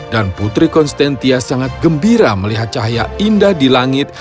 dan putri konstantia sangat gembira melihat cahaya indah di langit